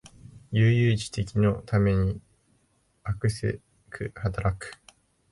悠々自適の生活のためにあくせく働く